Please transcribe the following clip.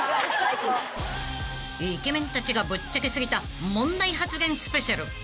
［イケメンたちがぶっちゃけ過ぎた問題発言スペシャル］